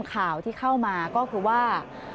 ข่าวที่เข้ามาก็คือว่า